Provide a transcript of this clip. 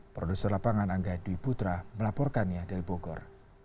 produser lapangan angga dwi putra melaporkannya dari bogor